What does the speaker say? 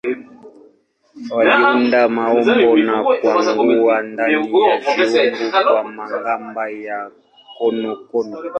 Waliunda maumbo na kukwangua ndani ya viungu kwa magamba ya konokono.